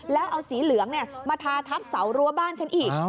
แล้วเอาสีเหลืองมาทาทับเสารั้วบ้านฉันอีก